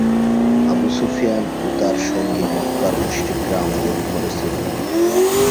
Abu Sufyan ও তার সঙ্গী মক্কার মুশরিকরা আমাদের উপরে ছিল।